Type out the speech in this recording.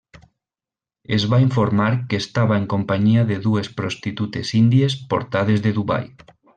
Es va informar que estava en companyia de dues prostitutes índies portades de Dubai.